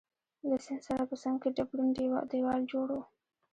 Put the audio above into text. له سیند سره په څنګ کي ډبرین دیوال جوړ وو.